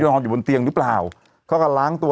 นอนอยู่บนเตียงหรือเปล่าเขาก็ล้างตัว